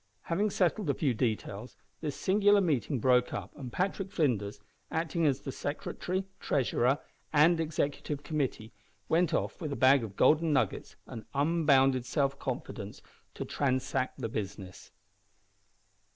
Having settled a few details, this singular meeting broke up, and Patrick Flinders acting as the secretary, treasurer, and executive committee went off, with a bag of golden nuggets and unbounded self confidence, to transact the business.